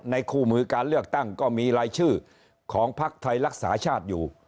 ในคู่หมื่อการลือกตั้งก็มีลายชื่อของพักธัยลักษณะชาติอยู่